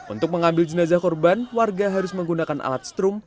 untuk mengambil jenazah korban warga harus menggunakan alat strum